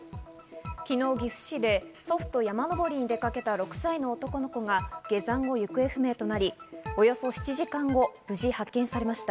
昨日、岐阜市で祖父と山登りに出かけた６歳の男の子が下山後、行方不明となり、およそ７時間後、無事発見されました。